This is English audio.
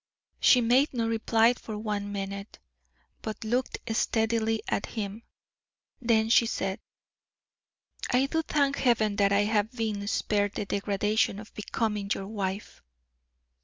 She made no reply for one minute, but looked steadily at him: then she said: "I do thank Heaven that I have been spared the degradation of becoming your wife."